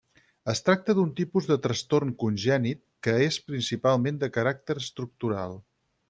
Es tracta d'un tipus de trastorn congènit que és principalment de caràcter estructural.